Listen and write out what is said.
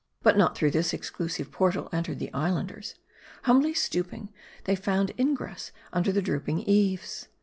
But not through this exclusive portal entered the Islanders. Humbly stooping, they found ingress under the drooping eaves.